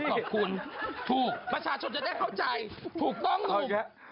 ขอบคุณถูกประชาชนจะได้เข้าใจถูกต้องถูก